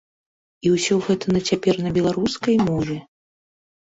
І ўсё гэта на цяпер на беларускай мове!